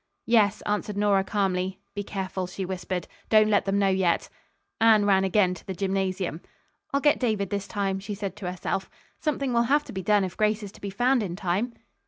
"Yes," answered Nora calmly. "Be careful," she whispered. "Don't let them know yet." Anne ran again to the gymnasium. "I'll get David this time," she said to herself. "Something will have to be done if Grace is to be found in time."